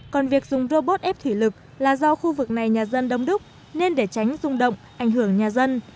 còn việc dùng robot ép thủy lực là do khu vực này nhà dân đông đúc nên để tránh rung động ảnh hưởng nhà dân